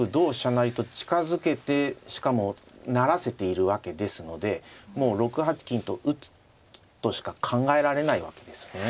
成と近づけてしかも成らせているわけですのでもう６八金と打つとしか考えられないわけですね。